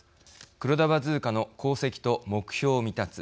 黒田バズーカの功績と目標未達